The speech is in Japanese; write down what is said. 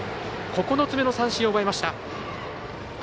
９つ目の三振を奪いました。